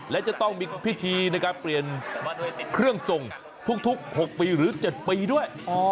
และจะต้องมีพิธีในการเปลี่ยนเครื่องส่งทุก๖ปีหรือ๗ปีด้วย